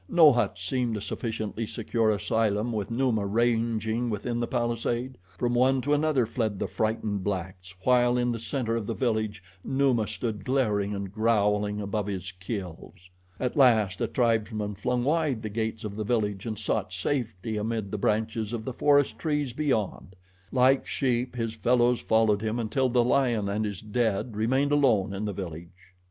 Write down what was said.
No hut seemed a sufficiently secure asylum with Numa ranging within the palisade. From one to another fled the frightened blacks, while in the center of the village Numa stood glaring and growling above his kills. At last a tribesman flung wide the gates of the village and sought safety amid the branches of the forest trees beyond. Like sheep his fellows followed him, until the lion and his dead remained alone in the village.